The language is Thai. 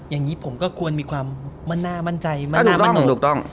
อย่างนี้ผมก็ควรมีความมั่นหน้ามั่นใจมั่นหน้ามั่นคงถูกต้อง